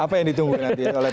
apa yang ditunggu nanti oleh